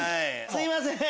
すいません！